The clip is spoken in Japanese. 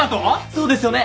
そうですよね？